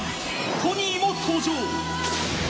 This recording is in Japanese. トニーも登場。